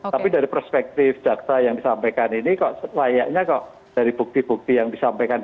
tapi dari perspektif jaksa yang disampaikan ini kok layaknya kok dari bukti bukti yang disampaikan